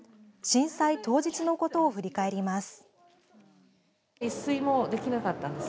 震災当日のことを振り返ります。